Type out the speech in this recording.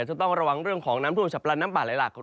จะต้องระวังเรื่องของน้ำท่วมฉับพลันน้ำป่าไหลหลาก